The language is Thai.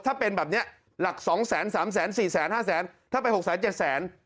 ถ้าเป็นแบบเนี้ยหลักสองแสนสามแสนสี่แสนห้าแสนถ้าไปหกสันเจ็ดแสน